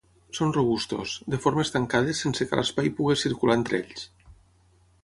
Són robustos, de formes tancades sense que l'espai pugui circular entre ells.